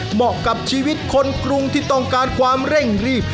เหมาะกับชีวิตคนกรุงที่ต้องการความเร่งรีบ